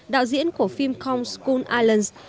đạo diễn của phim counts counts islands